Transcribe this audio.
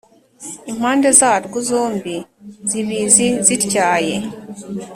impande zarwo zombi zibz zityaye